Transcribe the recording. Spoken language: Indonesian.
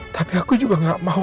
tapi aku juga gak mau